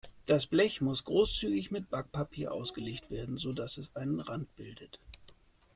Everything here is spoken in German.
Das Blech muss großzügig mit Backpapier ausgelegt werden, sodass es einen Rand bildet.